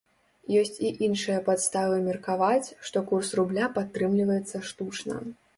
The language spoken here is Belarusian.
Ёсць і іншыя падставы меркаваць, што курс рубля падтрымліваецца штучна.